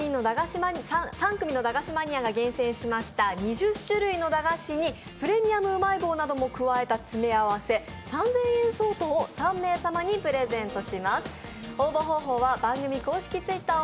３組の駄菓子マニアが厳選しました２０種類の駄菓子にプレミアムうまい棒などを加えた詰め合わせ３０００円相当を３名様にプレゼントします。